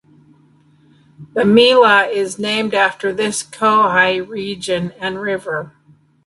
The Mela is named after this Khoai region and River.